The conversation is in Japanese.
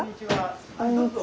こんにちは。